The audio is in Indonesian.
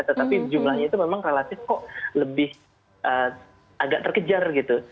tetapi jumlahnya itu memang relatif kok lebih agak terkejar gitu